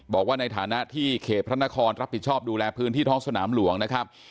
บอกว่าในฐานะที่เขตพระนครรับผิดชอบดูแลพื้นที่ท้องสนามหลวงนะครับ